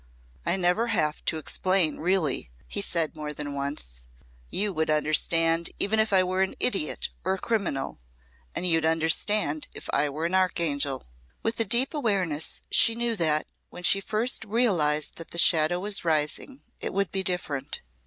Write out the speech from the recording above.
"I never have to explain really," he said more than once. "You would understand even if I were an idiot or a criminal. And you'd understand if I were an archangel." With a deep awareness she knew that, when she first realised that the shadow was rising, it would be different.